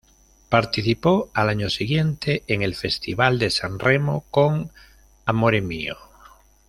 Participó al año siguiente, en el Festival de San Remo con "Amore mio".